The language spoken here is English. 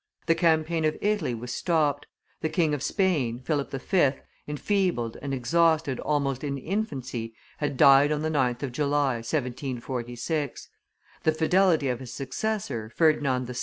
The campaign of Italy was stopped. The King of Spain, Philip V., enfeebled and exhausted almost in infancy, had died on the 9th of July, 1746. The fidelity of his successor, Ferdinand VI.